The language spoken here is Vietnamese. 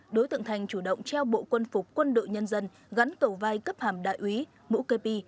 đối tượng thành chủ động treo bộ quân phục quân đội nhân dân gắn cầu vai cấp hàm đại úy mũ kê bi